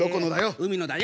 海のだよ！